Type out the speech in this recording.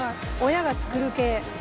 親が作る系。